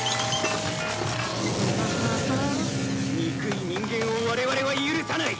憎い人間を我々は許さない！